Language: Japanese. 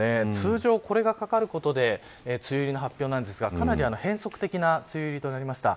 通常、これがかかることで梅雨入りなんですがかなり変則的な梅雨入りとなりました。